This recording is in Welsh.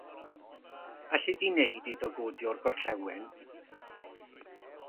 Alli di wneud iddo godi o'r Gorllewin?